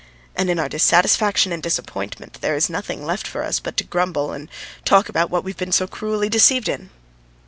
And in our dissatisfaction and disappointment there is nothing left for us but to grumble and talk about what we've been so cruelly deceived in."